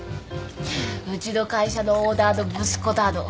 うちの会社のオーナーの息子だの。